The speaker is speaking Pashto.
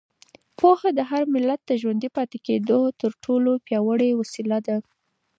پوهه د هر ملت د ژوندي پاتې کېدو تر ټولو پیاوړې وسیله ده.